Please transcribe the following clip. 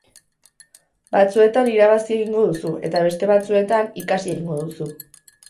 Batzuetan irabazi egingo duzu eta beste batzuetan ikasi egingo duzu.